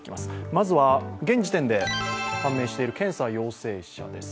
まずは現時点で判明している検査陽性者です。